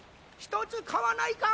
１つ買わないか？